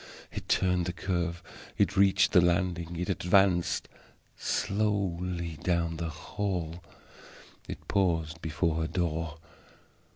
It turned the curve; it reached the landing; it advanced slowly down the hall; it paused before her door.